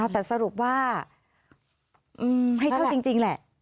แต่สรุปว่าให้เช่าจริงแหละ